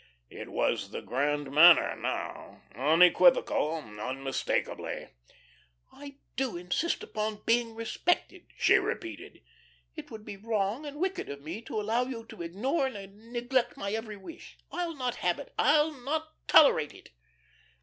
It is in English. It was the "grand manner" now, unequivocally, unmistakably. "I do insist upon being respected," she repeated. "It would be wrong and wicked of me to allow you to ignore and neglect my every wish. I'll not have it, I'll not tolerate it."